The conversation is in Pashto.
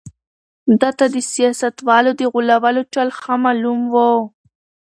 ده ته د سياستوالو د غولولو چل ښه معلوم و.